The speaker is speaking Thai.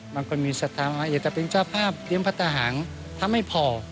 บางคนมีสัทธาว่าอยากจะเป็นเจ้าภาพเลี้ยงพัฒนาหางถ้าไม่พอ